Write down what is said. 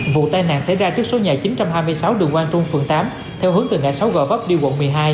vụ tai nạn xảy ra trước số nhà chín trăm hai mươi sáu đường quang trung phường tám theo hướng từ ngã sáu g vóc đi quận một mươi hai